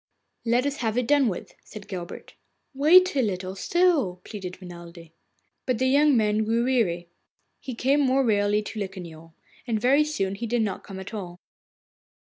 'Let us have done with it,' said Guilbert. 'Wait a little still,' pleaded Renelde. But the young man grew weary. He came more rarely to Locquignol, and very soon he did not come at all.